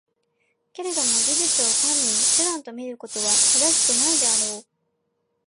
けれども技術を単に手段と見ることは正しくないであろう。